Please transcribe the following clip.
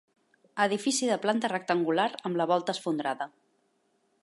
Edifici de planta rectangular amb la volta esfondrada.